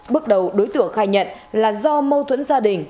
bước đầu đối tượng khai nhận là do mâu thuẫn gia đình